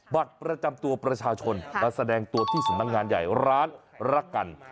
บัตรประจำตัวประชาชนมาแสดงตัวที่สำนักงานใหญ่ร้านรักกัน